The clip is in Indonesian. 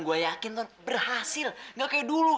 gue yakin ton berhasil nggak kayak dulu